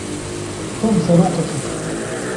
Tom serokek e.